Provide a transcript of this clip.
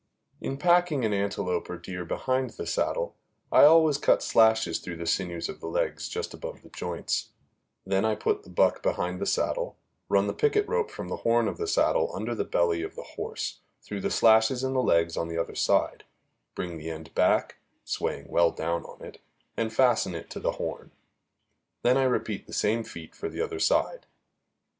In packing an antelope or deer behind the saddle, I always cut slashes through the sinews of the legs just above the joints; then I put the buck behind the saddle, run the picket rope from the horn of the saddle, under the belly of the horse, through the slashes in the legs on the other side, bring the end back, swaying well down on it, and fasten it to the horn; then I repeat the same feat for the other side.